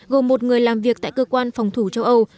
gồm một người làm việc tại cơ quan phòng thủ châu âu